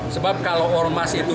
sebab kalau ormas itu